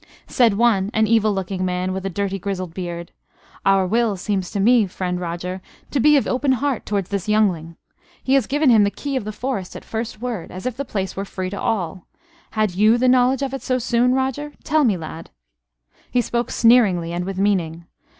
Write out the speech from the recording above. Said one, an evil looking man, with a dirty grizzled beard: "Our Will seems to me, friend Roger, to be of open heart towards this youngling. He has given him the key of the forest at first word, as if the place were free to all. Had you the knowledge of it so soon, Roger? Tell me, lad." He spoke sneeringly and with meaning.